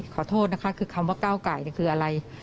ขอโทษนะคะคือคำว่าก้าวไก่คืออะไร